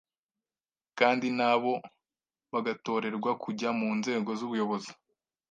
kandi na bo bagatorerwa kujya mu nzego z’ubuyobozi